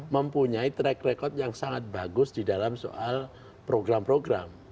mempunyai track record yang sangat bagus di dalam soal program program